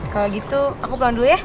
kalau gitu aku pulang dulu ya